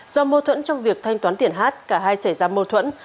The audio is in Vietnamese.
do mâu thuẫn trong việc thanh toán tiền hát cả hai xảy ra mâu thuẫn